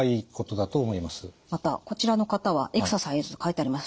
またこちらの方はエクササイズ書いてあります。